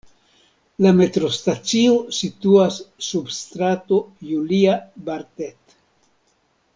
La metrostacio situas sub Strato Julia-Bartet.